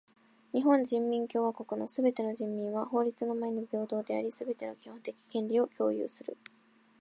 日本人民共和国のすべての人民は法律の前に平等であり、すべての基本的権利を享有する。